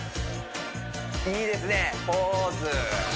いいですねポーズ！